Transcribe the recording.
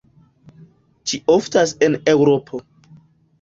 Ĝi oftas en Eŭropo.